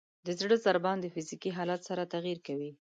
د زړه ضربان د فزیکي حالت سره تغیر کوي.